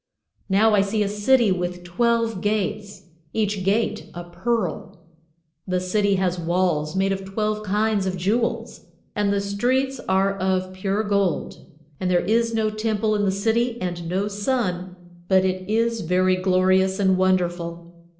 Now I see a city with twelve gates, each gate a pearl. The city has walls made of twelve kinds of jewels, and the streets are of pure gold, and there is no temple in the city and no sun, but it is very glorious and wonderful.